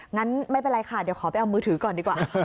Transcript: งั้นไม่เป็นไรค่ะเดี๋ยวขอไปเอามือถือก่อนดีกว่า